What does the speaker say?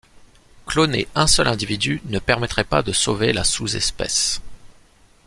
Cloner un seul individu ne permettrait pas de sauver la sous-espèce.